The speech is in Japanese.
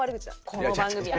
この番組。